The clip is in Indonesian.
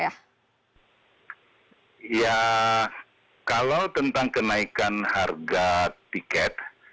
ya kalau tentang kenaikan harga tiket